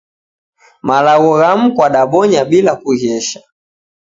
Malagho ghamu kwadabonya bila kughesha